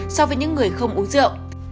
so với những người không uống rượu